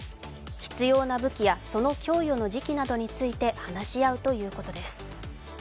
必要な武器やその供与の時期などについて話し合うということです。